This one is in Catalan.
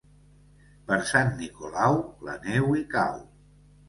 Per Sant Nicolau la neu hi cau.